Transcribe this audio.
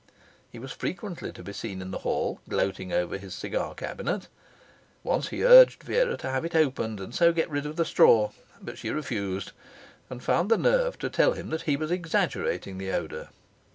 He was frequently to be seen in the hall, gloating over his cigar cabinet. Once he urged Vera to have it opened and so get rid of the straw, but she refused, and found the nerve to tell him that he was exaggerating the odour.